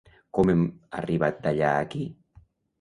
Com hem arribat d’allà a aquí?